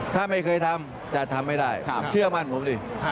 ถ้าไม่เคยทำจะทำไม่ได้เชื่อมั่นผมดิ